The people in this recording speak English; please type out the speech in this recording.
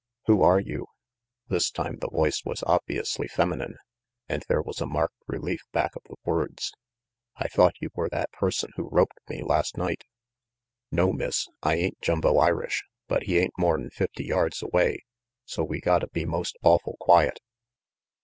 " Who are you? " This time the voice was obviously feminine, and there was a marked relief back of the words. "I thought you were that person who roped me last night." "No, Miss, I ain't Jumbo Irish, but he ain't more'n fifty yards away, so we gotta be most awful quiet."